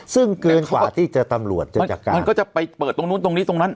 ซึ่งเกินกว่าที่ตำรวจจะจัดการมันก็จะไปเปิดตรงนู้นตรงนี้ตรงนั้น